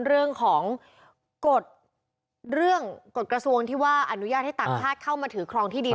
เรื่องของกฎเรื่องกฎกระทรวงที่ว่าอนุญาตให้ต่างชาติเข้ามาถือครองที่ดิน